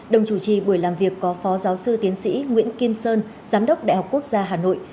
đồng chủ trì buổi làm việc có phó giáo sư tiến sĩ nguyễn kim sơn giám đốc đại học quốc gia hà nội